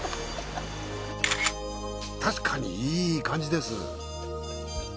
確かにいい感じです。